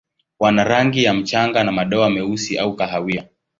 Wana rangi ya mchanga na madoa meusi au kahawia.